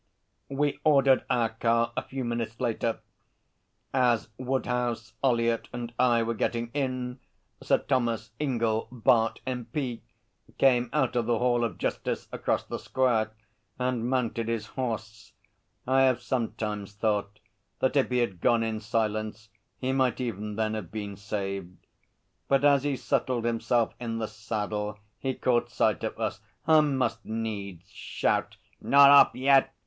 We ordered our car a few minutes later. As Woodhouse, Ollyett and I were getting in, Sir Thomas Ingell, Bart., M.P., came out of the Hall of Justice across the square and mounted his horse. I have sometimes thought that if he had gone in silence he might even then have been saved, but as he settled himself in the saddle he caught sight of us and must needs shout: 'Not off yet?